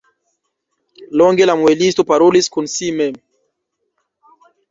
Longe la muelisto parolis kun si mem.